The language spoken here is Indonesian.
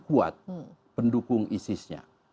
kuat pendukung isis nya